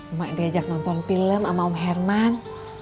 emak diajak nonton film sama om herman